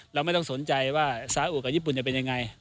เราไม่ต้องสนใจว่าสาอุกับญี่ปุ่นจะเป็นยังไง